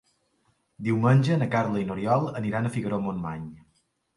Diumenge na Carla i n'Oriol aniran a Figaró-Montmany.